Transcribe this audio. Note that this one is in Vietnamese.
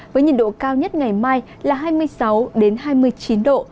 với nhiệt độ cao nhất ngày mai là hai mươi sáu hai mươi chín độ